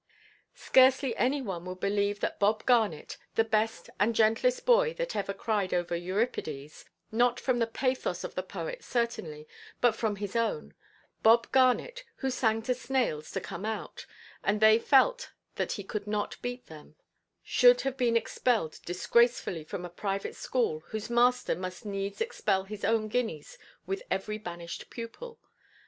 Scarcely any one would believe that Bob Garnet, the best and gentlest boy that ever cried over Euripides—not from the pathos of the poet certainly, but from his own—Bob Garnet, who sang to snails to come out, and they felt that he could not beat them, should have been expelled disgracefully from a private school, whose master must needs expel his own guineas with every banished pupil.